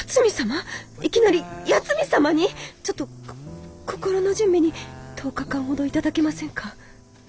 ちょっとこ心の準備に１０日間ほど頂けませんか？